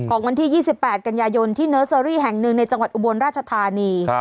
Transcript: วันที่๒๘กันยายนที่เนอร์เซอรี่แห่งหนึ่งในจังหวัดอุบลราชธานี